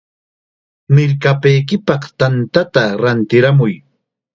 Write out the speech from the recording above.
¡Mirkapaykipaq tantata rantiramuy!